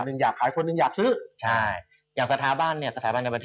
ส่วนใหญ่และตัวเกี่ยวกัน